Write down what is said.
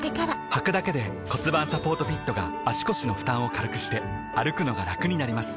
はくだけで骨盤サポートフィットが腰の負担を軽くして歩くのがラクになります